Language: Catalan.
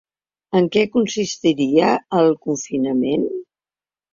En què consistiria el confinament?